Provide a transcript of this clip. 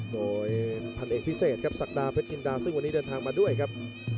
โดยพันเอกพิเศษครับศักดาเพชรจินดาซึ่งวันนี้เดินทางมาด้วยครับ